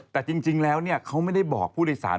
แต่จริงแล้วเขาไม่ได้บอกผู้โดยสาร